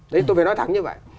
đấy tôi phải nói thẳng như vậy